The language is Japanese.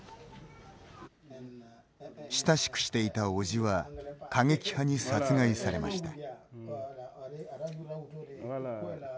親しくしていたおじは過激派に殺害されました。